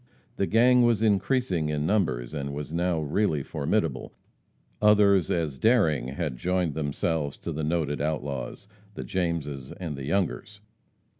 The gang was increasing in numbers, and was now really formidable. Others as daring had joined themselves to the noted outlaws the Jameses and the Youngers.